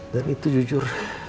dan itu jujur